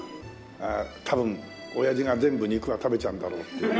「多分親父が全部肉は食べちゃうんだろう」って。